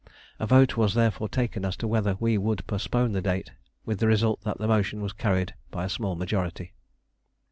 A vote was therefore taken as to whether we would postpone the date, with the result that the motion was carried by a small majority.